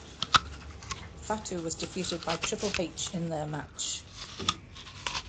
Fatu was defeated by Triple H in their match.